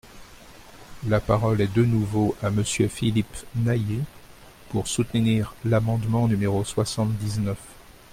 La parole est de nouveau à Monsieur Philippe Naillet, pour soutenir l’amendement numéro soixante-dix-neuf.